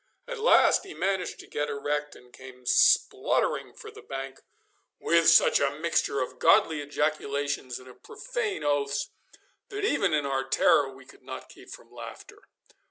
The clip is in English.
At last he managed to get erect, and came spluttering for the bank with such a mixture of godly ejaculations and of profane oaths that, even in our terror, we could not keep from laughter.